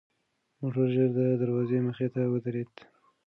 موټر ژر د دروازې مخې ته ودرېد.